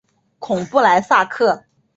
孔布莱萨克。